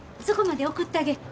そこまで送ったげ。